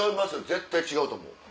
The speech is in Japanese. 絶対違うと思う。